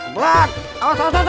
belak awas awas awas